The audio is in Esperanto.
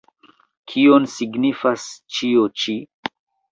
Kion signifas ĉio ĉi?